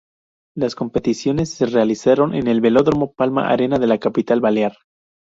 Las competiciones se realizaron en el velódromo Palma Arena de la capital balear.